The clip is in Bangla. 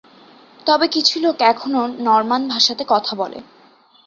তবে কিছু লোক এখনও নরমান ভাষাতে কথা বলে।